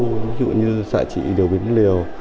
ví dụ như xạ trị điều biến liều